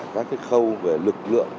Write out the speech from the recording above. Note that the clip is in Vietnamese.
các khâu về lực lượng